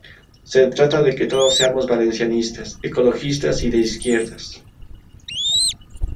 Se trata de que todos seamos valencianistas, ecologistas y de izquierdas".